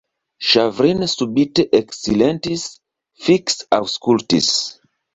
Ŝavrin subite eksilentis, fiksaŭskultis.